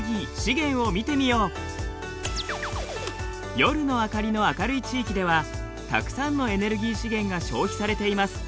夜の明かりの明るい地域ではたくさんのエネルギー資源が消費されています。